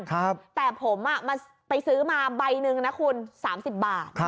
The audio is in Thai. แต่ผมไปซื้อมาใบหนึ่งนะคุณ๓๐บาท